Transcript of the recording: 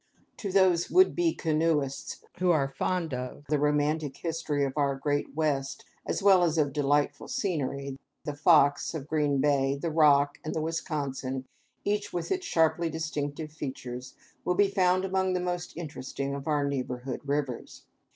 To those would be canoeists who are fond of the romantic history of our great West, as well as of delightful scenery, the Fox (of Green Bay), the Rock, and the Wisconsin, each with its sharply distinctive features, will be found among the most interesting of our neighborhood rivers.